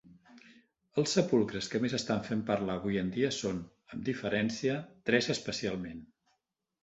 Els sepulcres que més estan fent parlar avui en dia són, amb diferència, tres especialment.